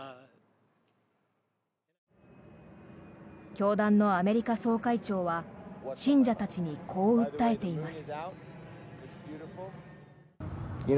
教団のアメリカ総会長は信者たちに、こう訴えています。